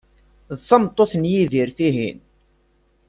D tameṭṭut n Yidir, tihin?